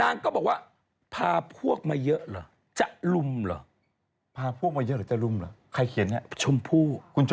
นางก็บอกว่าพาพวกมาเยอะเหรอจะรุ่มเหรอ